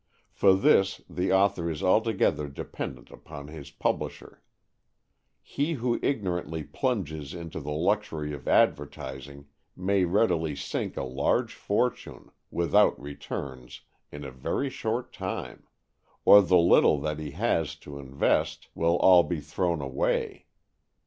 For this the author is altogether dependent upon his publisher. He who ignorantly plunges into the luxury of advertising may readily sink a large fortune, without returns, in a very short time. Or the little that he has to invest will all be thrown away.